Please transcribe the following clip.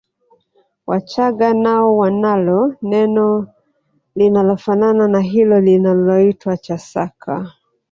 Wachaga nao wanalo neno linalofanana na hilo linaloitwa Chasaka